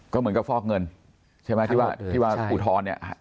ก็เหมือนกับฟอกเงินใช่ไหมที่ว่าที่ว่าอุทธรณ์เนี่ย